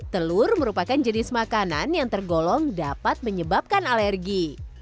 telur merupakan jenis makanan yang tergolong dapat menyebabkan alergi